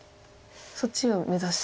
そっちを目指したと。